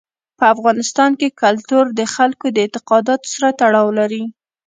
په افغانستان کې کلتور د خلکو د اعتقاداتو سره تړاو لري.